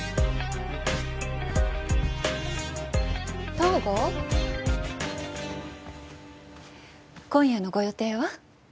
東郷今夜のご予定は？